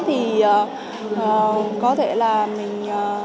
thì có thể là mình